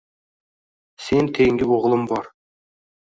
Sen tengi o`g`lim bor